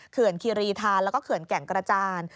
เขื่อนคีรีทานแล้วก็เขื่อนแก่งกระจาน